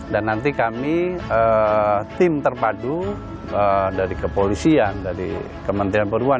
dan nanti kami tim terpadu dari kepolisian dari kementerian perubahan